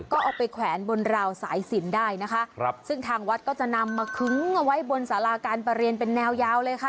ก็เอาไปแขวนบนราวสายสินได้นะคะครับซึ่งทางวัดก็จะนำมาคึ้งเอาไว้บนสาราการประเรียนเป็นแนวยาวเลยค่ะ